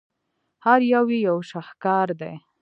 هر یو یې یو شاهکار دی.